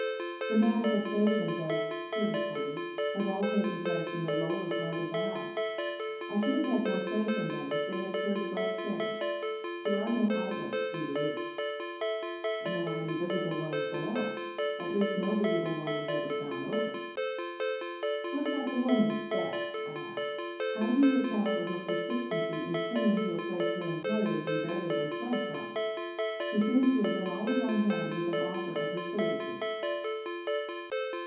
"The manifestations, as here recorded, have all taken place in the lower part of the house. I should have had more faith in them, if they had occurred above stairs. There are no outlets through the roof." "Nor any visible ones below. At least no visible one was ever found open." "What about the woman, Bess?" I asked. "How do you account for her persistency in clinging to a place her employers invariably fled from? She seems to have been always on hand with an offer of her services."